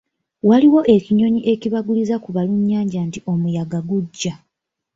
Waliwo ekinyonyi ekibaguliza ku balunnyanja nti omuyaga gujja.